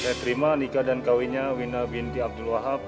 saya terima nikah dan kawinnya wina binti abdul wahab